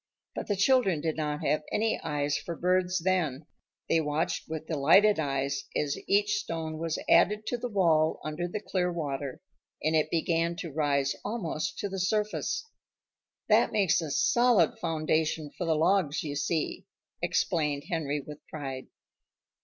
But the children did not have any eyes for birds then. They watched with delighted eyes as each stone was added to the wall under the clear water, and it began to rise almost to the surface. "That makes a solid foundation for the logs, you see," explained Henry with pride.